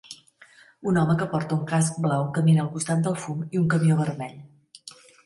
Un home que porta un casc blau camina al costat del fum i un camió vermell